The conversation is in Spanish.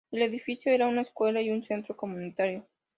El edificio era una escuela y un centro comunitario.